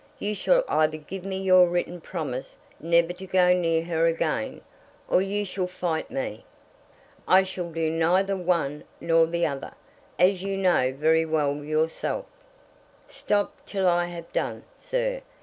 You shall either give me your written promise never to go near her again, or you shall fight me." "I shall do neither one nor the other, as you know very well yourself." "Stop till I have done, sir.